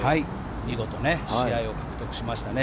見事試合を獲得しました。